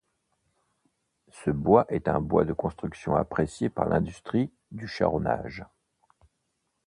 Ce bois est un bois de construction apprécié par l'industrie du charronnage.